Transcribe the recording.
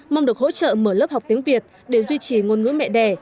mong được hỗ trợ mở lớp học tiếng việt để duy trì ngôn ngữ mẹ đẻ